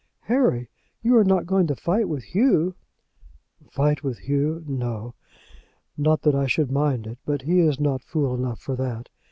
"Harry, you are not going to fight with Hugh?" "Fight with Hugh! no. Not that I should mind it; but he is not fool enough for that.